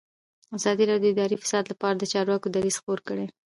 ازادي راډیو د اداري فساد لپاره د چارواکو دریځ خپور کړی.